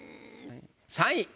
３位。